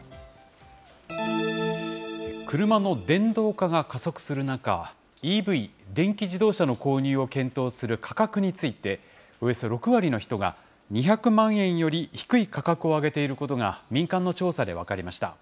車の電動化が加速する中、ＥＶ・電気自動車の購入を検討する価格について、およそ６割の人が、２００万円より低い価格を挙げていることが民間の調査で分かりました。